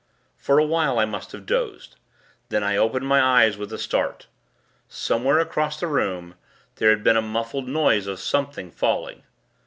For a while, I must have dozed. Then I opened my eyes, with a start. Somewhere across the room, there had been a muffled noise of something falling.